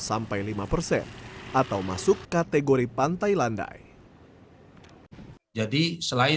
atau masuk kategori pantai landai